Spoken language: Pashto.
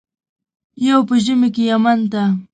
یو په ژمي کې یمن ته.